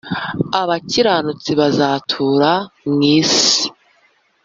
abakiranutsi bazatura mu isi